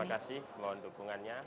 terima kasih mohon dukungannya